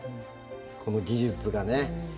この技術がね。